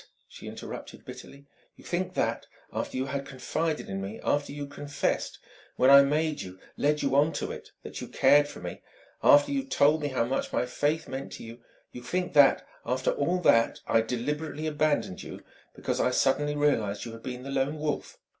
she interrupted bitterly. "You think that, after you had confided in me; after you'd confessed when I made you, led you on to it that you cared for me; after you'd told me how much my faith meant to you you think that, after all that, I deliberately abandoned you because I suddenly realized you had been the Lone Wolf